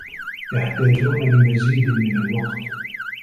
يحتاجون لمزيد من الوقت.